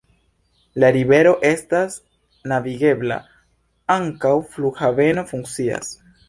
La rivero estas navigebla, ankaŭ flughaveno funkcias.